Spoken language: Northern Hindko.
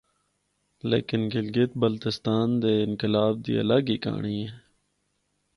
لیکن گلگت بلتستان دے انقلاب دی الگ ہی کہانڑی ہے۔